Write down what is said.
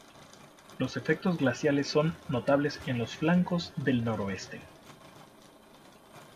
Los efectos glaciales son notables en los flancos del nornoroeste.